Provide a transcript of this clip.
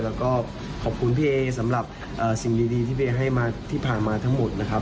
แล้วก็ขอบคุณพี่เอสำหรับสิ่งดีที่พี่เอให้มาที่ผ่านมาทั้งหมดนะครับ